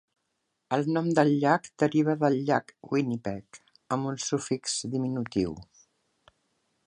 El nom del llac deriva del Llac Winnipeg, amb un sufix diminutiu.